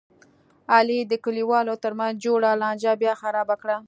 علي د کلیوالو ترمنځ جوړه لانجه بیا خرابه کړله.